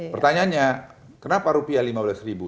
pertanyaannya kenapa rupiah lima belas ribu